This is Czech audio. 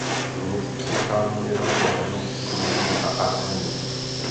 Město se nachází nedaleko hranic s Gruzií a Arménií.